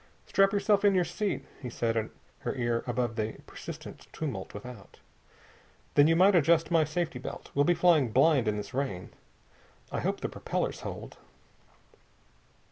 "Strap yourself in your seat," he said in her ear above the persistent tumult without. "Then you might adjust my safety belt. Well be flying blind in this rain. I hope the propellers hold."